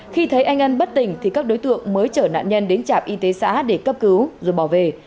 khi thấy anh ân bất tỉnh thì các đối tượng mới chở nạn nhân đến trạm y tế xã để cấp cứu rồi bỏ về